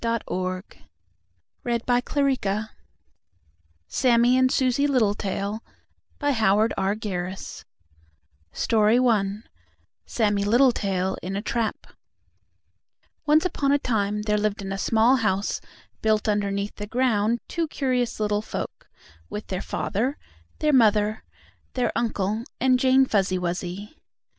Susie and the Fairy Carrot SAMMIE AND SUSIE LITTLETAIL I SAMMIE LITTLETAIL IN A TRAP Once upon a time there lived in a small house built underneath the ground two curious little folk, with their father, their mother, their uncle and Jane Fuzzy Wuzzy.